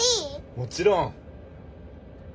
もちろん。